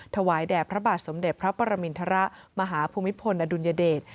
ถวายแด่พระบาทสมเด็จพระปรมินทรมาหาภูมิพลอดุลยเดช